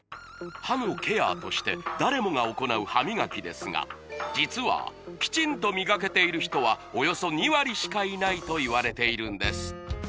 歯のケアとして誰もが行う歯磨きですが実はきちんと磨けている人はおよそ２割しかいないといわれているんです